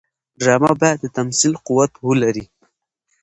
ډرامه باید د تمثیل قوت ولري